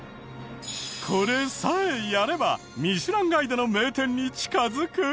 これさえやれば『ミシュランガイド』の名店に近づく？